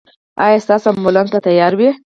ایا ستاسو امبولانس به تیار وي؟